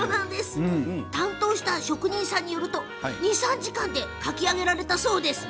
担当した職人さんによると２、３時間で描き上げられたそうです。